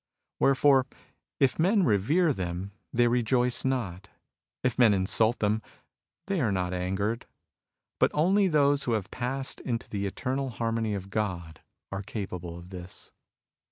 Wherefore, if men revere them, they rejoice not. If men insult them, they are not angered. But only those who have passed into the eternal harmony of God are capable of this.